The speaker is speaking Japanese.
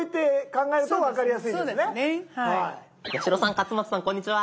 八代さん勝俣さんこんにちは。